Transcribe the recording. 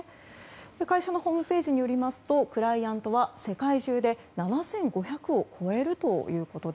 会社のホームページによるとクライアントは世界中で７５００を超えます。